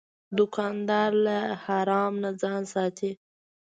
دوکاندار له حرام نه ځان ساتي.